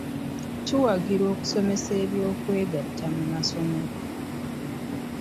Tuwagira okusomesa eby'okwegatta mu masomero